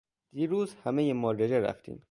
دیروز همهٔ ما رژه رفتیم.